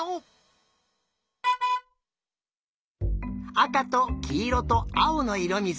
あかときいろとあおのいろみず。